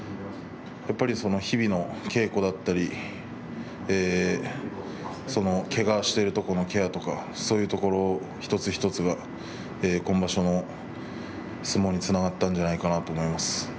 やっぱり日々の稽古だったりけがしているところのケアとかそういうところ、一つ一つが今場所の相撲につながったんじゃないかなと思います。